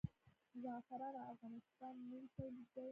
زعفران د افغانستان نوی تولید دی.